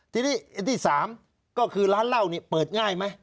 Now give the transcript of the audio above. ที่สามก็คือร้านเล่านี่เปิดง่ายไหม